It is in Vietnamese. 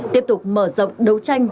tiếp tục mở rộng đấu tranh